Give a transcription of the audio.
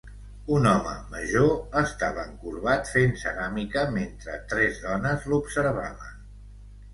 Un home major estava encorbat fent ceràmica mentre tres dones l'observaven.